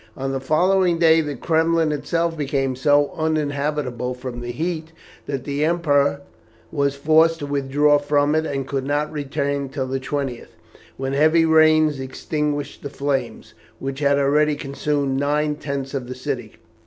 On the following day the Kremlin itself became so uninhabitable from the heat, that the Emperor was forced to withdraw from it, and could not return till the 20th, when heavy rain extinguished the flames, which had already consumed nine tenths of the city.